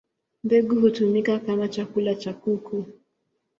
Mbegu hutumika kama chakula cha kuku.